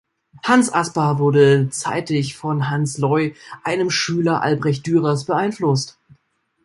Hans Asper wurde zeitig von Hans Leu, einem Schüler Albrecht Dürers beeinflusst.